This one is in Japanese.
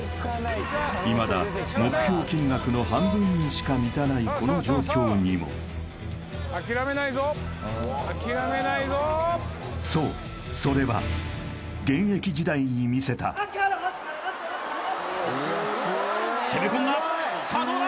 いまだ目標金額の半分にしか満たないこの状況にもそうそれは現役時代に見せたはっけよいのこったのこった攻め込んださあどうだ？